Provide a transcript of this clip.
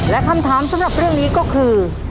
และคำถามสำหรับเรื่องนี้ก็คือ